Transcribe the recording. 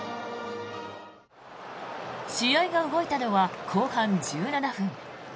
試合が動いたのは後半１７分。